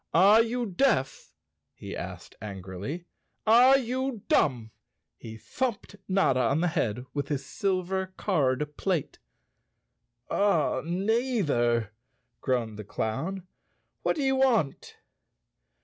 "Are you deaf ?" he asked angrily. "Are you dumb?" He thumped Notta on the head with his silver card plate. "Neither," groaned the clown. "What do you want?"